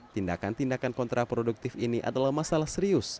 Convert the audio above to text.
tindakan tindakan kontraproduktif ini adalah masalah serius